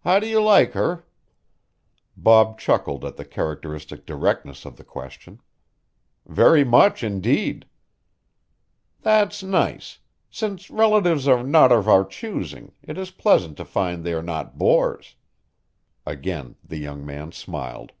"How do you like her?" Bob chuckled at the characteristic directness of the question. "Very much indeed." "That's nice. Since relatives are not of our choosing, it is pleasant to find they are not bores." Again the young man smiled.